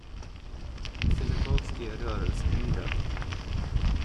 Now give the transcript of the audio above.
Mr Lebowski är rörelsehindrad.